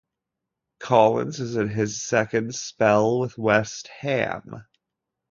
Collins is in his second spell with West Ham.